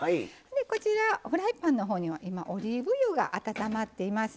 こちらフライパンのほうには今オリーブ油が温まっていますね。